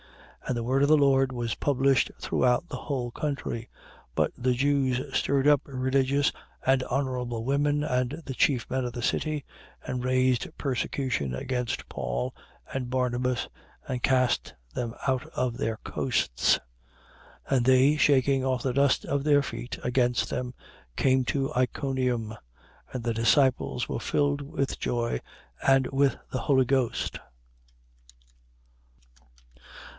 13:49. And the word of the Lord was published throughout the whole country. 13:50. But the Jews stirred up religious and honourable women and the chief men of the city: and raised persecution against Paul and Barnabas: and cast them out of their coasts. 13:51. But they, shaking off the dust of their feet against them, came to Iconium. 13:52. And the disciples were filled with joy and with the Holy Ghost.